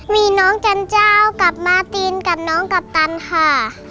มีน้องจันเจ้ากับมาตินกับน้องกัปตันค่ะ